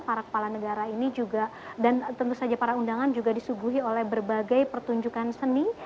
para kepala negara ini juga dan tentu saja para undangan juga disuguhi oleh berbagai pertunjukan seni